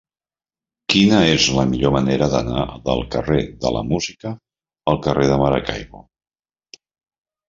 Quina és la millor manera d'anar del carrer de la Música al carrer de Maracaibo?